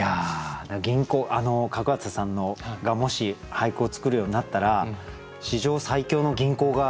角幡さんがもし俳句を作るようになったら史上最強の吟行が。